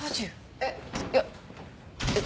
えっいやえっ。